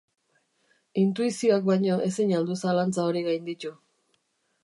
Intuizioak baino ezin al du zalantza hori gainditu?